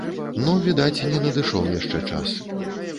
Ну, відаць, не надышоў яшчэ час.